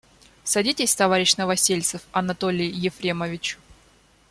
Садитесь, товарищ Новосельцев, Анатолий Ефремович.